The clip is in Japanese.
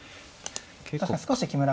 確か少し木村